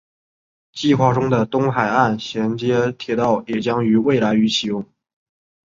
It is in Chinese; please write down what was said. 计划中的东海岸衔接铁道也将在未来于启用。